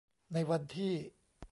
ในวันที่